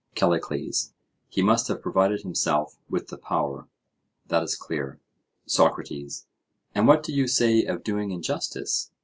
CALLICLES: He must have provided himself with the power; that is clear. SOCRATES: And what do you say of doing injustice?